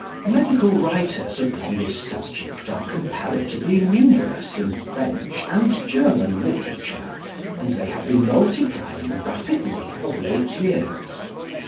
Medical writers upon this subject are comparatively numerous in French and German literature, and they have been multiplying rapidly of late years.